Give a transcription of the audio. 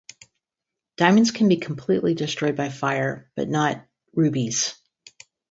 Diamonds can be completely destroyed by fire, but not rubies.